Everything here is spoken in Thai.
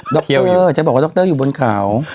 ด็อกเตอร์จะบอกว่าด็อกเตอร์อยู่บนเขา